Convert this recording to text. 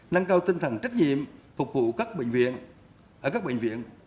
năng cao tinh thần trách nhiệm phục vụ các bệnh viện